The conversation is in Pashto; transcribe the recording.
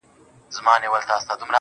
سم ليونى سوم.